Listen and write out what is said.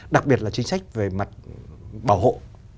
đặc biệt là chính sách về mặt bảo hộ